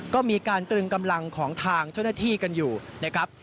ก็มีการตรึงกำลังของทางเจ้าหน้าที่กันอยู่นะครับ